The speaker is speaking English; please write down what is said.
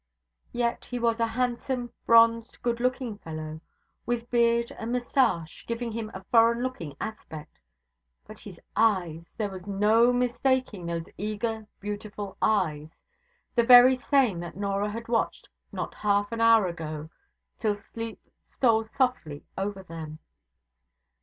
Yet he was a handsome, bronzed, good looking fellow, with beard and moustache, giving him a foreign looking aspect; but his eyes! there was no mistaking those eager, beautiful eyes the very same that Norah had watched not half an hour ago, till sleep stole softly over them.